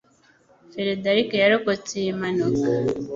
Frederick yarokotse iyi mpanuka